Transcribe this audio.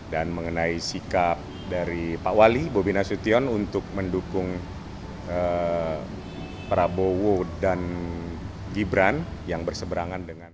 dan mengenai sikap dari pak wali bobina syudin untuk mendukung prabowo dan gibran yang berseberangan dengan